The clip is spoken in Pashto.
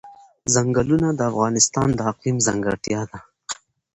چنګلونه د افغانستان د اقلیم ځانګړتیا ده.